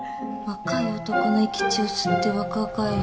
「若い男の生き血を吸って若返り」